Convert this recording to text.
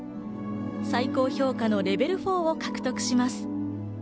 最高評価のレベル４を獲得します。